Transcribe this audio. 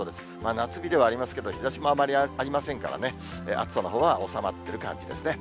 夏日ではありますけれども、日ざしもあまりありませんから、暑さのほうは収まっている感じですね。